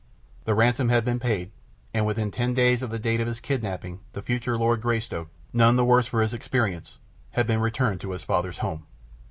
The ransom had been paid, and within ten days of the date of his kidnapping the future Lord Greystoke, none the worse for his experience, had been returned to his father's home.